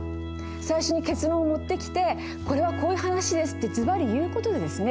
最初に結論を持ってきて「これはこういう話です」ってずばり言う事でですね